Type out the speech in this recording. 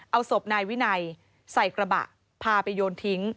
เอาศพนายวินัยใส่กระบะพาไปโยนทิ้ง